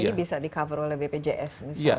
dan ini bisa di cover oleh bpjs misalnya